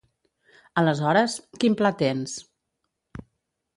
Aleshores, quin pla tens?